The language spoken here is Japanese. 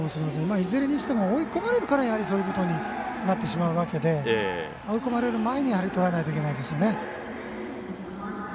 いずれにしても追い込まれるからそうなってしまうわけで追い込まれる前にとらえないといけないですね。